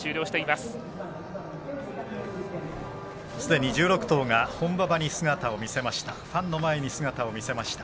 すでに１６頭が本馬場に姿を見せました。